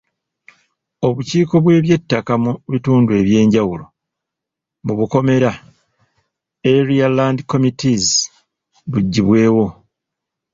Obukiiko bw’eby'ettaka mu bitundu eby'enjawulo (Area Land Committees) buggyibwewo.